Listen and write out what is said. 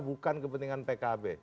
bukan kepentingan pkb